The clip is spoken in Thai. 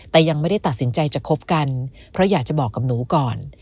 แต่ยังไม่ได้ตัดสินใจจะคบกันเพราะอยากจะบอกกับหนูก่อน